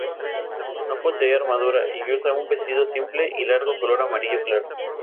No posee armadura y usa un vestido simple y largo color amarillo claro.